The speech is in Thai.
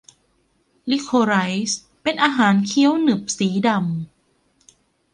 ลิโคไรซ์เป็นอาหารเคี้ยวหนึบสีดำ